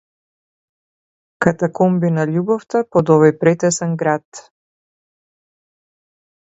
Катакомби на љубовта под овој претесен град.